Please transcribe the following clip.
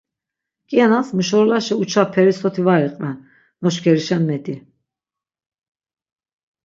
K̆iyanas muşorolaşi uça peri soti var iqven, noşkerişen medi...